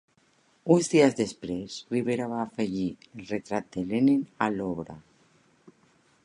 Uns dies després Rivera va afegir el retrat de Lenin a l'obra.